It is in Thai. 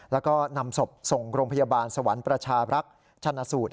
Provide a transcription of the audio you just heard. แล้วก็นำศพส่งโรงพยาบาลสวรรค์ประชารักษ์ชนะสูตร